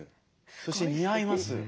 そして似合います。